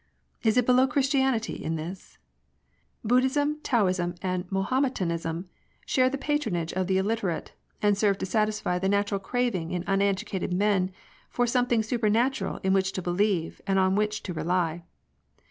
Is it below Christianity in this ? Buddhism, Taoism, and Mahometanism, share the patronage of the illiterate, and serve to satisfy the natural craving in uneducated man for something supernatural in which to believe and on which to rely.